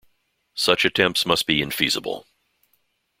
Such attempts must be infeasible.